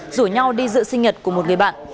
rủ nhau đi dự sinh nhật của một người bạn